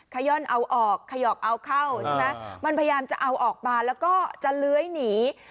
ขย่อนเอาออกขยอกเอาเข้าใช่ไหมมันพยายามจะเอาออกมาแล้วก็จะเลื้อยหนี